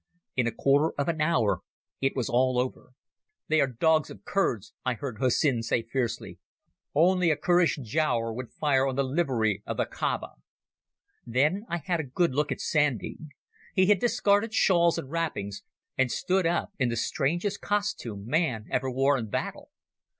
In a quarter of an hour it was all over. "They are dogs of Kurds," I heard Hussin say fiercely. "Only a Kurdish giaour would fire on the livery of the Kaába." Then I had a good look at Sandy. He had discarded shawls and wrappings, and stood up in the strangest costume man ever wore in battle.